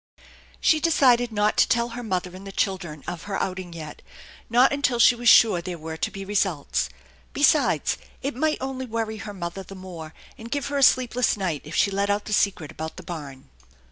She decided not to tell her mother and the children of her outing yet, not until she was sure there were to be results. Besides, it might only worry her mother the more and give her a sleepless night if she let out the secret about the barn.